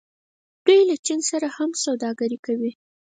دوی له چین سره هم سوداګري کوي.